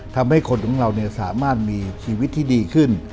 ทำให้คนของเราสามารถมีชีวิตที่ดีขึ้น